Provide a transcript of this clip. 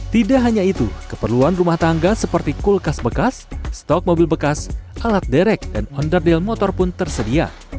tidak hanya itu keperluan rumah tangga seperti kulkas bekas stok mobil bekas alat derek dan onderdeal motor pun tersedia